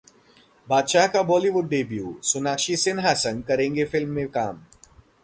बादशाह का Bollywood debut, Sonakshi Sinha संग करेंगे फिल्म में काम